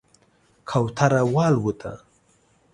کوتره والوته